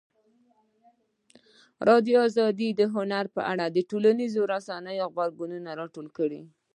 ازادي راډیو د هنر په اړه د ټولنیزو رسنیو غبرګونونه راټول کړي.